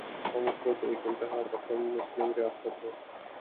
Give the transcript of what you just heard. ہم خود ایک انتہا پسند مسلم ریاست ہیں۔